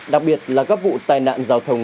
đặc biệt là các vụ tai nạn giao thông